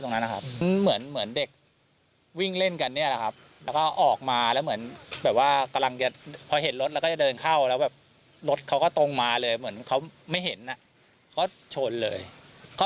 ตรงนั้นเป็นสนามเด็กเล่นคนน่ะก็เยอะอ่ะคะตรงนั้นนะครับ